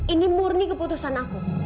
ini murni keputusan aku